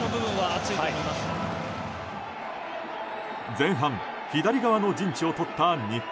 前半左側の陣地をとった日本。